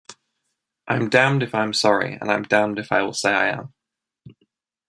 I'm damned if I'm sorry and I'm damned if I will say I am.